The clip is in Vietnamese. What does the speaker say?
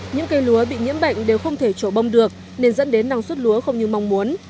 những cây lúa bị nhiễm bệnh đều không thể trổ bông được nên dẫn đến năng suất lúa không như mong muốn